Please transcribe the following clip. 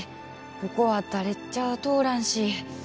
ここは誰ちゃあ通らんし。